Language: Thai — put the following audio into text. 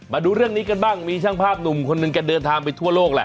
มาดูเรื่องนี้กันบ้างมีช่างภาพหนุ่มคนหนึ่งแกเดินทางไปทั่วโลกแหละ